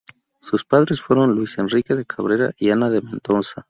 Sus padres fueron Luis Enríquez de Cabrera y Ana de Mendoza.